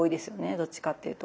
どっちかっていうと。